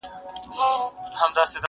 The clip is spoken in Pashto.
o د شپې بند اوبو وړی دئ٫